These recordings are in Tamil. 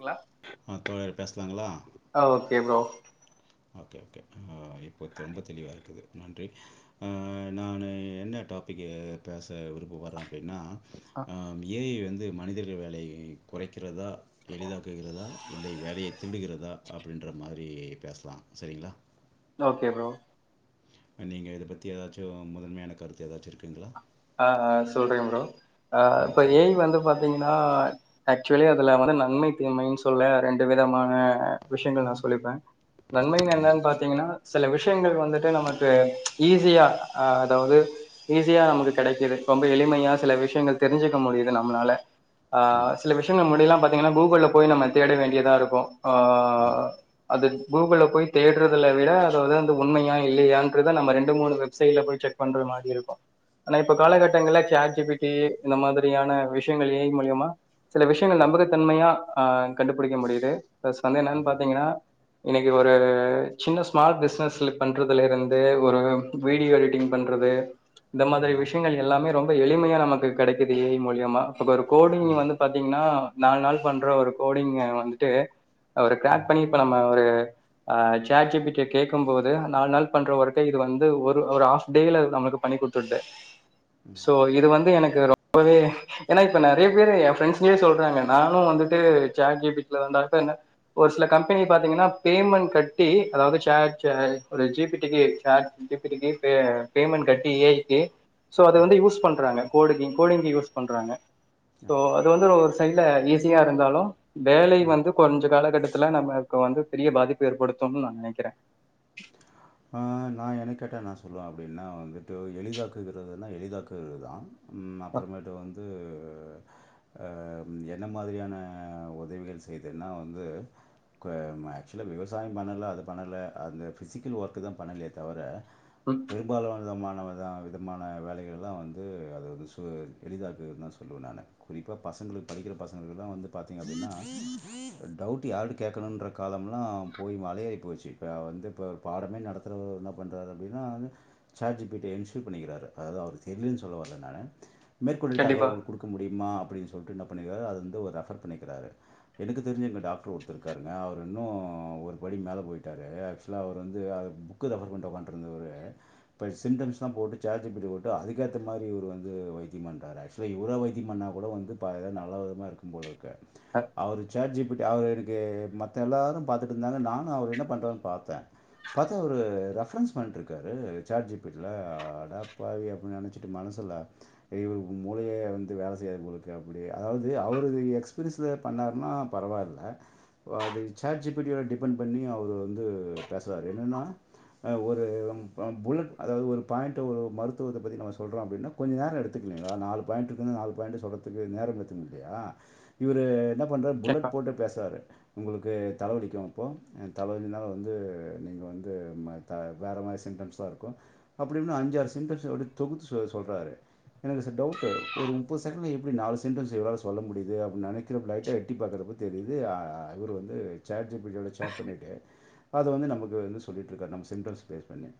ங்களா அ தோழர் பேசலாங்களா ஆ ஓகே ப்ரோ ஓகே ஓகே இப்போ ரொம்ப தெளிவா இருக்குது நன்றி நானு என்ன டாபிக் பேச விருப்பபட்றே அப்டின்னா ஆ ஏ ஐ வந்து மனிதர்கள் வேலையை கொறைக்கிறதா எளிதாக்குகிறதா இல்லை வேலையை திருடுகிறதா அப்டி ன்ற மாதிரி பேசலா சரிங்களா ஓகே ப்ரோ நீங்க இத பத்தி ஏதாச்சு முதன்மையான கருத்து ஏதாச்சு இருக்குங்களா அ அ சொல்றே ப்ரோ அ ம் இப்ப ஏ ஐ கண்டிப்பா. வந்து பாத்தீங் ஆக்சுவலி அதுல வந்து நன்மை தீமைன்னு சொல்ல ரெண்டு விதமான விஷயங்கள் நா சொல்லிப்பே நன்மைன என்னன் பாத்தீங்கனா சில விஷயங்கள் வந்துட்டு நமக்கு ஈஸியா அதாவது ஈஸியா நமக்கு கெடைக்குது ரொம்ப எளிமையா சில விஷயங்கள் தெரிஞ்சுக்க முடியுது நம்மளால ம், சில விஷயங்கள் முன்னாடிலா பாத்தீங்கனா கூகுள்ல போய் நம்ம தேட வேண்டியதா இருக்கு ம், அது கூகுள்ல போய் தேட்றது விட அது வந்து உண்மையா இல்லையாங்கிறத நம்ம ரெண்டு மூணு வெப்சைட் போய் செக் பண்ற மாரி இருக்கும் ஆனா இப்ப ம், காலகட்டங்கள்ல சாட் ஜி பி டி இந்த மாதிரியான விஷயங்கள் ஏ ஐ மூலியமா சில விஷயங்கள் நம்பகத்தன்மையா அ கண்டுபிடிக்க முடியுது பிளஸ் வந்து என்னன்னு ம்ஹ்ம். பாத்தீங்கனா இன்னைக்கு ஒரு சின்ன ஸ்மால் பிஸ்னஸ் பண்றதுல இருந்து ஒரு வீடியோ எடிட்டிங் பண் றது இந்த மாதி ம், விஷயங்கள் எல்லாமே ரொம்ப எளிமையா நமக்கு கிடைக்குது ஏ ஐ மூலியமா ஒரு கோடிங் ம், வந்து பாத்தீங்கன்னா நா [unintelligible] நாள் பண்ற ஒரு கோடிங்க வந்துட்டு அவரு ம், கிராக் பண்ணி இப்ப நம்ம ஒரு அ சாட் ஜி பி டி கேக்கும் போது நாலு நாள் பண்றவொர்க்க இது வந்து ஒரு ஒரு ஆஃப் டேல நம்மக்கு பண்ணி கொடுத்துட்டு ம், சோ இது வந்து எனக்கு ரொ ம்பவே ஏன்னா இப்ப நெறைய பேர் என் ஃப்ரெண்ட்ஸ்யே சொல்றாங்க நானு வந்துட்டு சாட் ஜி பி டி ல தான்டா என்ன ஒரு சில கம்பெனி பாத்தீங்கன்னா பேமெண்ட் கட்டி அதாவது சார் ஒரு ஜி பி டி க்கு சாட் ஜி பி டி க்கி பேமெண்ட் கட்டி ஏ ஐ க்கு சோ அத ம். வந்து யூஸ் பண்றாங்க கோடி கோடிங்கு யூஸ் பண்றாங்க ஆமா. ம். சோ அது வந்து சைல ஈஸியா இருந்தாலு வேலை ஆமாம். வந்து கொஞ்ச காலகட்ட துல நம்மக்கு வந்து பெரிய பாதிப்பு ஏற்படுத்தும்னு நா நெனைக்கிற நா என்ன கேட்டா நா சொல்லுவ அப்படின்னா வந்துட்டு எளிதாக்குகிறதுன்னா எளிதாக்குகிறது தான் அப்புறமேட்டு வந்து அ என்ன மாதிரியான உதவிகள் செய்தன்னா வந்து கு ஆக்சுவலா விவசாயம் பண்ணல அது பண்ணல அந்த ஃபிசிக்கல் ஒர்க் குதா பண்ணலையே தவிர ம் பெரும்பாலானதமான த விதமான வேலைகள் எல்லா வந்து அதது சு எளிதாக்குதுதா சொல்லுவ நானு குறிப்பா பச சங்களுக்கு படிக்கிற பசங்களுக்கு எல்லா வந்து பாத்தீங்க அப்படின்னா டவுட் யாரது கேட்கணும்ன்ற காலம்ல்லா போய் மலையேறி போச்சு இப்ப வந்து இப்ப பாட நடத்துற என்ன பண்றாரு அப்டினா சாட் ஜி பி டிய இன்ஸ்டல் பண்ணிக்கிறாரு அதாது அவருக்கு தெரிலனு சொல்ல வரல நானு மேற்கொண்ட கண்டிப்பா தகவல்கள் கொடுக்க முடியுமா அப்படின் சொல்லிட்டு என்ன பண்ணிக்கிறாரு அத வந்து ஒரு ரெஃபர் பண்ணிக்கிறாரு எனக்கு தெரிஞ்ச எங்க டாக்டர் ஒருத்துருக்காருங்க அவர் இன்னும் ஒரு படி மேலே போயிட்டாரு ஆக்சுவலா அவர் வந் து புக்க ரெஃபர் பன்ற இருந்தவரு இப்ப சிம்டம்ஸ்லா போட்டு சாட் ஜி பி ட்ட போட்டு அதிகேத்த மாரி இவர் வந்து வைத்தியம் பண்றார் ஆக்சுவல இவர வைத்தியம் பன்னா கூட வந்து நல்ல விதமா இருக்கும் போலருக்கு அவர் சாட் ஜி பி அவர் எனக்கு மத்த எல்லாரு பாத்துட்டு இருந்தாங்க நானு அவர் என்ன பண்றாருன்னு பாத்த பாத்தா அவர் ரெஃபரன்ஸ் பண்ணிட்டு இருக்காரு சாட் ஜி பிடி ல அடாப்பாவி அப்படின்னு நெனச்சிட்டு மனசில இவர்க்கு மூலையே வந்து வேல செய்யாது போலருக்கு அப்டி அதாவது அவர் எக்ஸ்பீரியன்ஸ்ல பண்ணா ஆனா பரவாயில்ல அது சாட் ஜி பி டிய டிபெண்ட் பண்ணி அவர் வந்து பேச என்னன்னா ஒரு புல்லட் அதாவது ஒரு பாயிண்ட் ஒரு மருத்துவத்த பத்தி நம்ம சொல்றோ அப்படின்னா கொஞ்ச நேரோ எடுத்துக்க ங்களா நாலு பாயிண்ட் இருக்கு நாலு பாயிண்ட சொல்றத்துக்கு நேரம் எத்து இல்லையா இவரு என்ன பண்ணுறார் கண்டிப்பா புல்லெட் போட்டு பேசறார் உங்களுக்கு தலைவலிக்கு இப்போ தலைவலினால வந்து நீங்க வந்து வேற மாரி சிம்டம்ஸ் தா இருக்கு அப்படின்னு அஞ்சாறு சிடம்ஸ அப்டி தொகுத்து சொ சொ ல்றாரு எனக்கு டவுட்டு ஒரு முப்பது செகண்ட்ல எப்டி நாலு சென்டன்ஸ இவரால சொல்ல முடியுது அப்டினு நெனைக்க லைட்டா எட்டி பாக்குற தெரியுது இவர் வந்து சாட் ஜி பிடியோட சாட் பண்ணிட்டு அத வந்து நமக் கு வந்து சொல்லிட்டு இருக்கார் நம்ம சிம்டல்ஸ் பேஸ் பண்ணே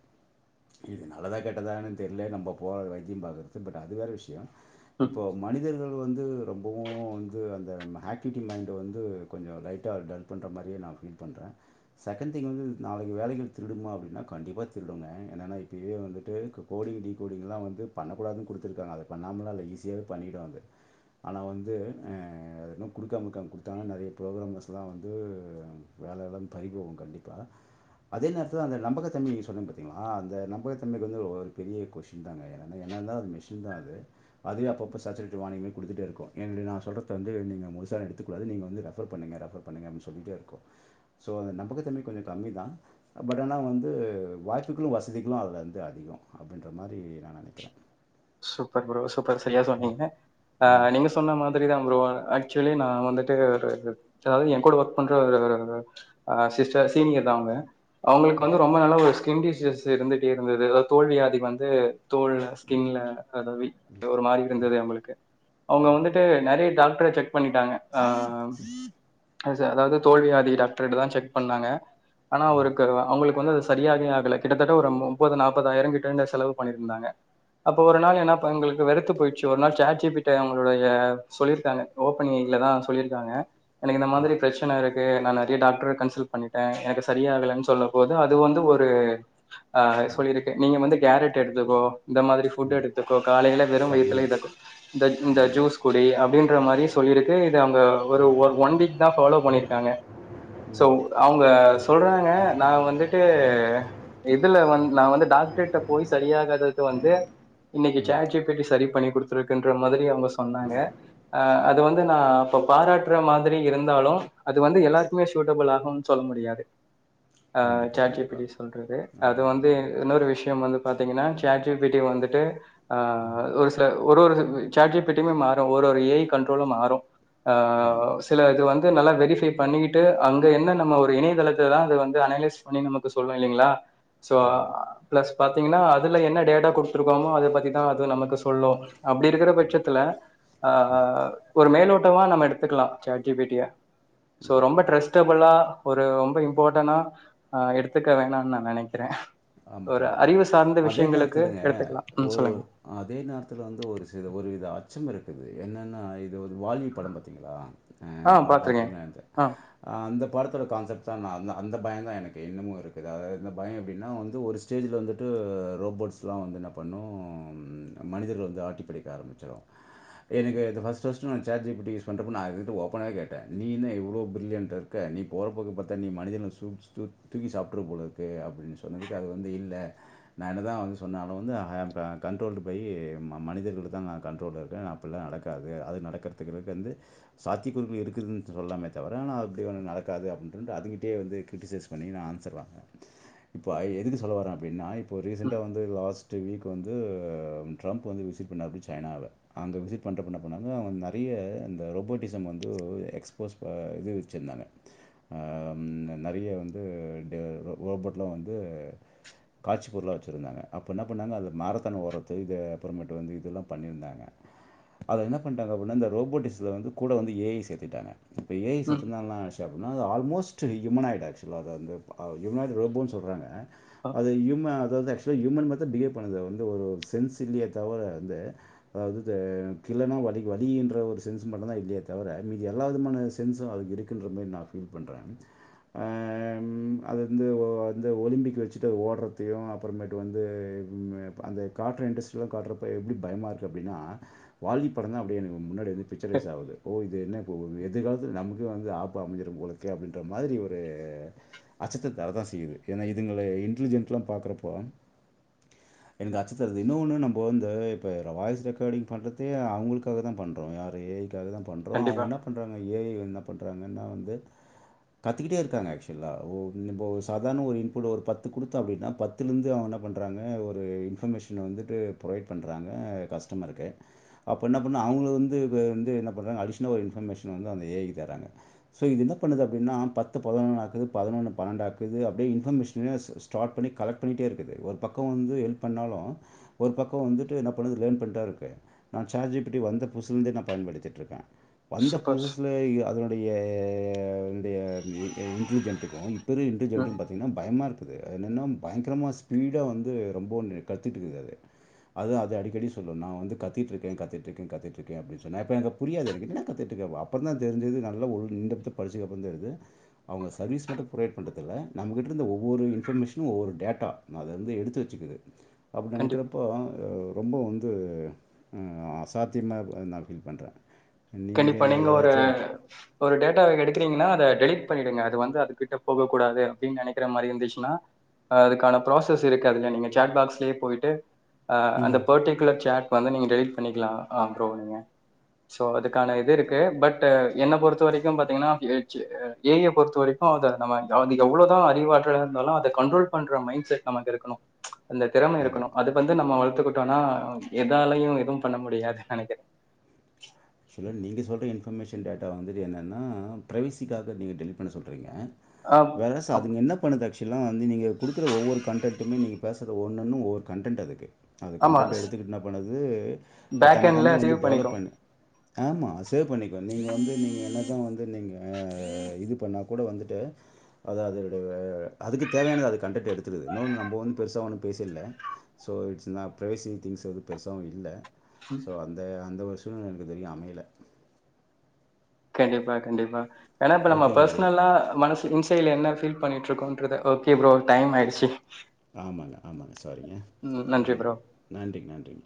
இது நல்லதா கெட்டதானு தெரியல நம்ப போக வைத்தியம் பாகறது பட் அது வேற விஷயம் ம் இப்போ மனிதர்கள் வந்து ரொம்பவும் வந்து அந்த அக்டிவிட்டி மைண்ட வந்து கொஞ்ச லைட்டா டல் பண்ற மாரியே நா ஃபீல் பண்றே செகண்ட் திங் வந்து நாளைக்கு வேலைகள் திருடுமா அப்படின்னா கண்டிப்பா திருடுங்க ஏனன்னா இப்பவே வந்துட்டு கோடிங் டீ கோடிங்லாம் வந்து பண்ணக்கூடாதுன் குடுத்திருக்காங்க அத பண்ணாமலா இல்ல ஈஸியாவே பண்ணிடு அது ஆனா வந்து இன்னு குடுக்காம இருக்காங்க கொடுத்தாங்க நெறைய ப்ரோக்ராம்ஸ்லா வந்து வேல இல்லாம பறிகோம் கண்டிப்பா அதே நேரத்தில அந்த நம்பகத்தன்மை சொன்ன பாத்தீங்களா அந்த நம்பகத்தன்மைக்கு வந்து பெரிய கொஸின் தாங்க எனக் என்ன தா அது மிஷின் தா அது அதுவே அப்பப்ப சச்சரிடி வானிங்னு குடுத்துட்டே இருக்கு ஏன்னு கேட்டீங்கன்னா சொல்லறத வந்து நீங்க ஒருசார் எடுத்துக்கூடாது நீங்க வந்து ரெஃபர் பண்ணுங்க ரெஃபர் பண்ணுங்க அப்டினு சொல்லிட்டே இருக்கு சோ நம்பகத்தன்மை கொஞ்ச கம்மி தா பட் ஆனா வந்து வாய்ப்புகளு வசதிகளு அதில் வந்து அதிக அப்படின்ற மாரி நெனைக்கிறே சூப்பர் ப்ரோ சூப்பர் சரியா சொன்னீங்க அ ம், நீங்க சொன்ன மாதிரிதா ப்ரோ ஆக் சுவலி நா வந்துட்டு ஒரு அதாவது எ கூட ஒர்க் பண்ற ஒரு சிஸ்டர் சீனியர் தா அவங்க அவங்களுக்கு வந்து ரொம்ப நாள ஒரு ஸ்கின் டிசீசஸ் இருந்துட்டே இருந்தது அதாது தோல்வியாதி வந்து தோல்ல ஸ்கின்ல பரவி அத ஒரு மாரி இருந்தது அவங்களுக்கு அவங்க வந்துட்டு நெறய டாக்டர செக் பண்ணிட்டாங்க ஆ சார் அதாவது தோல்வியாதி டாக்டர்ட்ட தா செக் பண்ணாங்க ஆனா அவருக்கு அவங்களு வந்து அது சரியாகே ஆகலை கிட்டத்தட்ட ஒரு முப்பது நாற்பதாயிரம் கிட்ட இரு செலவு பண்ணிருந்தாங்க அப்ப ஒரு நாள் ஏனாங்களுக்கு வெறுத்து போயிடுச்சு ஒரு நாள் சேட்ஜி பிட்ட அவங்களுோட சொல்லிருக்காங்க ஓபனி தான் சொல்லியிருக்காங்க எனக்கு இந்த மாதிரி பிரச்சனை இருக்கு நான் நிறைய டாக்டர் கன்சல்ட் பண்ணிட்டேன் எனக்கு சரியாகவே சொல்ல போது அது வந்து ஒரு சொல்லியிருக்கு நீங்க வந்து கேரட் எடுத்துக்கோ இந்த மாதிரி ஃபுட் ம். எடுத்துக்கோ காலையில வெறும் வயத்துலே சப்ளிமெண்ட்ஸ். இருக்கும் இந்த ம், ஜூஸ் குடி அப்படின் மாதிரி சொல்லிருக்கு இது அவங்க ஒரு ஒன் வீக் தான் ஃப்லோ பண்ணிருக்காங்க சோ ம், அவங்க சொல்றாங்க நான் வந்துட்டு இதுல வந்து நான் வந்து டாக்டரேிட்ட போய் சரியாகாதக்கு வந்து இன்னைக்கு ம். ஜாட் ஜி ப்பிட்டி சரி பண்ணி கொடுத்துருக்குன்ற மாதிரி அவங்க சொன்னாங்க ஆஹ் அது வந்து நான் இப்ப பாராட்டுற மாதிரி இருந்தாலும் அது வந்து எல்லாருக்குமே சூட்டபிள் ஆகும்னு சொல்ல முடியாது ஆஹ் கண்டிப்பா, சாட் ஜி கண்டிப்பா. ப்பிட்டி சொல்றது அது ஆமா, வந்து ஆமா, ஆமா. இன்னொரு விஷயம் வந்து பாத்தீங்கன்னா சாட் ஜி பிட்டி வந்துட்டு ஒரு சில ஒரு ஒரு சாட் ஜி பிட்டுமே மாறும் ஒரு ஒரு ஏ கண்ட்ரோல மாறும் ஆமா, சில இது வந்து நல்லா வெரிஃப்பை பண்ணிட்டு அங்க என்ன நம்ம ஒரு இணையதளத்தை தான் அதை வந்து அனலிஸ் பண்ணி நமக்கு சொல்லும் இல்லலைங்களா சோ ஆமா. பிளஸ் பாத்தீங்கன்னா அதுல என்ன டேட்டா கொடுத்துருக்காங்களோ அத பத்திதான் அது நமக்கு சொல்லும் அப்படி இருக்கிற பட்சத்துல ஆஹ் ஒரு மேலோட்டவா நம்ம எடுத்துக்கலாம் சாட் ஜி பிட்டிய சோ ரொம்ப ட்ரஸ்டபிளா ஒரு ரொம்ப இம்பார்ட்டனா ஆஹ் எடுத்துக்க வேணாம்னு நான் நெனைக்கிறேன் ஆமாம் கண்டிப்பாங்க அதே நேரத்தில்ங்க எடுத்துக்கலா ம் ஒரு சொல்லுங்க அதே நேரத்தில் வந்து ஒரு ஒரு வித அச்சம் இருக்குது என்னென்னா ஒரு வால்வி படம் பாத்தீங்களா ஆ பாத்துருக்கே பார்த்தீங்களா ஆ அந்த படத்தோட கான்செப்ட் தான் அந்த பயம் தான் எனக்கு இன்னமும் இருக்குது அதாவது இந்த பயம் எப்படின்னா வந்து வந்து ஒரு ஸ்டேஜில் வந்துட்டு ரோபோட்ஸ்லாம் வந்து என்ன பண்ணும் மனிதர்கள் வந்து ஆட்டி படைக்க ஆரம்பிச்ச ச்சலோ எனக்கு first first chat G P T use பன்ரப்ப ஓபனவே கேட்டே நீ என்ன இவ்ளோ பிரில்லியன்டா இருக்க நீ போறபோக்க பத்தா நீ மனித தூக்கி சாப்பிட்டுருவ போலருக்கு அப்படின்னு சொன்னதுக்கு அது வந்து இல்லை நான் என்னதான் வந்து சொன்னாலும் வந்து கண்ட்ரோல் போய் மனிதர்களுக்கு தான் கண்ட்ரோல் இருக்கப்ப நடக்காது அது நடக்கிறதுந்து சாத்திகக்குறுகள் இருக்குது சொல்லாமே தவிர அப்படி ஒன்னு நடக்காது அப்பின்ட்றது அதுகிட்டேயே வந்து கிரிட்டிசைஸ் பண்ணி நான் ஆன்சர்வாங்க பாய் எதுக்கு சொல்ல வரே அடின்னா இப்ப ரீசெண்டா ம் வந்து லாஸ்ட் வீக் இப்போ வந்து டிரம்ப் வந்து விசிட் பண்ணார் ஆரம்பிச்சார் சைனாவை அங்க விசிட் பண்ணுற பண்ண பண்ணாங்க அங்க நிறைய அந்த ரோபோட்டிசம் வந்து எக்ஸ்போஸ் இது வச்சுருந்தாங்க ஆஹ் நெறைய வந்து ரோபோட்லாம் வந்து காட்சி பொருளா வச்சுருந்தாங்க அப்ப என்ன பண்ணாங்க அந்த மாரத்தனை ஓரத்து இது அப்புறமேட்டு வந்து இதெல்லாம் பண்ணியிருந்தாங்க அதது என்ன பண்றாங்க அப்படின்னா இந்த ரோபோட்டிக்ஸ்ல வந்து கூட வந்து ஏ ஐ சேர்த்துட்டாங்க இப்ப ஏ ஐ ம் சேத்துட்டாங்கனா ஆல்மோஸ்ட் ஹும்யனா ஆயிடும் ஆக்சுவலா ஹுமினாயிடு ரபோன்ஸ் சொல்றாங்க அது [unintelligible] அ ஆக்சுவல ஹூமன் பிஹேவ் பண்ணது வந்து சென்ஸ் இல்ல தவிர வந்து அதாவது இல்லன்னா வழி ஒரு சென்ஸ் மட்டும்தான் இல்லே தவிர மீதி எல்லாமான சென்ஸும் அது இருதி [unintelligible] பண்றேன் அது வந்து வந்து ஒலிம்பிக் வச்சுட்டு ஓடுறதயும் அப்புறமேட்டு வந்து அந்த காட்ற இன்ரஸ்ட்டு கா எப்படி பயமா இருக்கு அப்பிடின்னா வாலி படம் தான் அப்படிய முன்னாடி வந்து ஓகே பிக்சரைஸ் ஆகுது ஓ இது என்ன இப்போ எதிர்காலத்தில நமக்கே வந்து ஆப்பு அமைஞ்சிட போலருக்கே அப்படின்ற மாதிரி ஒரு அச்சத்தை தரதான் செய்யுது ஏன்னா இதுங்க இன்டலிஜென்ட்ல்லாம் பாக்குறப்போ எனக்கு அச்சு தருது இன்னொன்னு நம்ம வந்து இப்போ வாய்ஸ் ரெக்கார்டிங் பண்ணுறதே அவளுக்காக தான் பண்ணுறோம் யார் அதுதான் பண்றோம் அவங்க கண்டிப்பா என்ன பண்றாங்க ஏ என்ன பண்றாங்கன்னா வந்து கத்துக்கிட்டே இருக்காங்க ஆக்சுவலா இப்போ சாத்த [unintelligible] ஒரு இன்புட் ஒரு பத்து கொடுத்த அப்படின்னா பத்து இருந்து அவ என்ன பண்றாங்க ஒரு இன்பர்மேஷன் வந்துட்டு புரொட் பண்றாங்க கஸ்டமருக்கு அப்ப என்ன பண்னு அவங்க வந்து வந்து என்ன பண்றாங்க அடிஷனல் இன்பர்மேஷன் வந்து அந்த ஏ ஐ க்கு தராங்க இது என்ன பண்ணது அப்படின்னா பத்து பதினொ ஆக்குது பதினொன்ன பன்னெண்ட ஆக்குது இப்ப இது அப்படிய இன்பர்மேஷன்ன ஸ் ஸ்டார்ட் பண்ணி கலெக்ட் பண்ணிட்டே இருக்குது ஒரு பக்கம் வந்து ஹெல்ப் பண்ணாலும் ஒரு பக்க பக்கம் வந்துட்டு என்ன பண்ணுது லேன் பண்ட்டா இருக்கு நான் சேர்ஜ் இப்பி வந்த புதுசலேந்தே நான் பயன்டுத்திட்டுருக்கேன் வந்த சூப்பர் புதுசுல எ அதனுடையா உடைய இடர்லிஜென்ட்க்கும் இப்ப ம் இன்டர்லிஜெட்டுக்கும் பாத்தீங்கன்னா பயம் இம்மா இருக்குது என்னன்ன பயங்கரமா ஸ்பீடா வந்து ரொம்ப கத்துட்டுக்குது அது அது அது அடிக்கடி சொல்லும் நான் வந்து கத்திட்டுக்கேன் கத்திட்டுருக்கேன் கத்திட்டுருக்கேன் அப்டினு சொல்லும் நா இப்ப எனக் புரியது என்னக்கு என்னடா கத்திட்டுருக் அப்புறம் தான் தெரிஞ்சது நல்ல ஒழுங்கத்த படிச்சதுக்ப்பரம் தெரிந்து அவங்க சர்வீஸ் மட்டும் புரவேட் பன்ரத்தில் நம்மகிட்ட இருந்த ஒவ்வொரு இன்பர்மேஷனும் ஒவ்வொரு டேட்டா அத வந்து எடுத்து வச்சுக்குது அப்படி கண்டிப்பா நினைக்கிறப்போ ஒ ரொம்ப வந்து அசாத்தியமாக நான் ஃபீல் பண்ணுறேன் கண்டிப்பா நீங்க ஒரு ஒரு டேட்டா எடுக்கிறீங்கன்னா அத ரெலிட் பண்ணிடுங்க அது வந்து அதுகிட்ட போக கூடாது அப்படின்னு நினைக்கிற மாதிரி இருந்துச்சுன்னா அதுக்கான ப்ராசஸ் இருக்குதுல்ல நீங்க சேட் பாக்ஸ்லயே போயிட்டு அந்த ம்ஹ்ம். பர்ட்டிகுலர் சேட் வந்து நீங்க டெலீட் பண்ணிக்கலாம் ஆம் ப்ரோ நீங்க சோ அதுக் கான இது இருக்கு பட் என்ன பொறுத்த வரைக்கும் பாத்தீங்கன்னா ஏஜ ஏ ஐ பொறுத்த வரைக்கும் அத நாம அது எவ்வளோதான் அறிவாற்றல இருந்தாலும் அதை கண்ட்ரோல் பண்ற மைண்ட் செட் நமக்கு இருக்கணும் அந்த திறம ஆமா. இருக்கணும் அதுக்கு வந்து நம்ம துக்குட்டோம்னா எதாலயையும் எதுயும் எதும் பண்ண முடியாது நெனைக்கிறன் க்ஷாலா நீங்கள் சொல்கிற இன்ஃபர்மேஷன் டேட்டா வந்துது என்னென்னா ஃப்ரைவசிக்காக நீங்கள் டெலிட் பண்ண சொல்றீங்க ஆ வேறசா அப் அதுங்க என்ன பண்ணுது ஆக்க்ஷ எல்லாம் வந்து நீ கொடுக்குற ஒவ்வொரு கன்டேன்டுமே நீங்க பேசுர ஒன்னென்னு ஒரு கன்டன்டு அதுக்கு அது ஆமா. கண்டடன்ட் எடுத்துக்கிட்டுனா பண்ணுது பேக் தன்னை எண்ட்ல தன்னே வந்து சேவ் டெவலப் பண்ணிக்கும். பண்ணு ஆமா சேவ் பண்ணிக்கும் நீங்கள் வந்து நீங்க என்ன தான் வந்து நீங்கா இது பண்ணா கூட வந்துட்டு அது அதனுடைய அதுக்கு தேவையானது அதை கண்டன்ட்ட எடுத்துடுது இன்னொன்னு நம்ம வந்து பெருசா ஒண்ணும் பேசில்ல சோ இட்ஸ் நான் ப்வேசிங் திங்ஸ்எதும் பெருசவும் இல்ல சோ அந்த அந்த ஒரு சூழ்நிலை எனக்கு தெரியும் அமையல கண்டிப்பா கண்டிப்பா ஏன்னா இப்ப நம்ம ஓகேங்க ஹரி பர்சனலா மனசு இன்சைட்ல என்னபீல் பண்ணிட்டு இருக்கோன்றது ஓகே ப்ரோ டைம் ஆயிடுச்சு ஆமாங்க ஆமாங்க சாரிங்க ம் நன்றி ப்ரோ. மண்ணிங்க நன்றிங்க நன்றிங்க